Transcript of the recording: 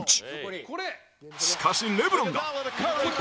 しかしレブロンが